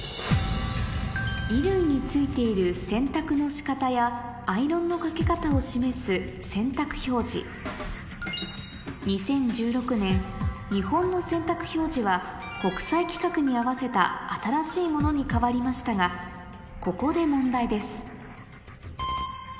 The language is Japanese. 衣類に付いている洗濯の仕方やアイロンのかけ方を示す２０１６年日本の洗濯表示は国際規格に合わせた新しいものに変わりましたがここで問題です